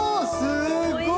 すごい。